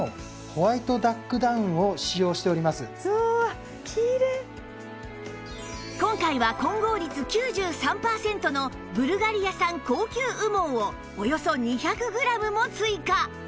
こちらが今回は混合率９３パーセントのブルガリア産高級羽毛をおよそ２００グラムも追加！